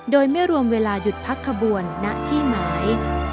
โดยไม่รวมเวลาหยุดพักขบวนณที่หมาย